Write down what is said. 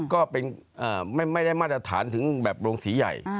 ก็เป็นไม่ได้มาตรฐานถึงแบบโรงสีใหญ่